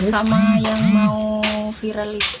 sama yang mau viral itu